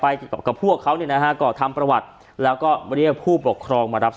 กับพวกเขาเนี่ยนะฮะก็ทำประวัติแล้วก็เรียกผู้ปกครองมารับ